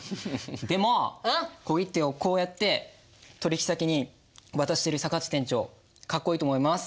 でも小切手をこうやって取引先に渡してるさかっち店長かっこいいと思います。